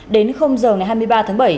đến giờ ngày hai mươi ba tháng bảy